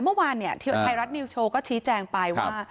เมื่อวานเนี่ยไทยรัฐนิวสโชว์ก็ชี้แจงไปว่า